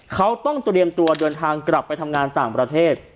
เขาต้องเตรียมตัวเดินทางกลับไปทำงานต่างประเทศ